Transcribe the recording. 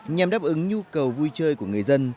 nhằm đáp ứng nhu cầu vui chơi của người dân